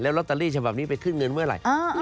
ลอตเตอรี่ฉบับนี้ไปขึ้นเงินเมื่อไหร่